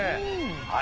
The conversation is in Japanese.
はい。